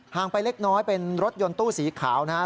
งไปเล็กน้อยเป็นรถยนต์ตู้สีขาวนะครับ